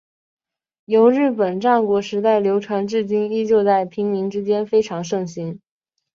由日本战国时代流传至今依旧在平民之间非常盛行。